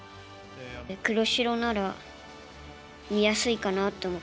黒白なら見やすいかなと思って。